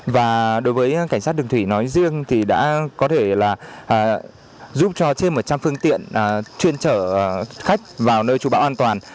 và đối với cảnh sát đường thủy nói riêng thì đã có thể là giúp cho trên một trăm linh phương tiện chuyên trở khách vào nơi trụ bão an toàn